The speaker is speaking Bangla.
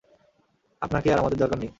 আপনাকে আর আমাদের দরকার নেই।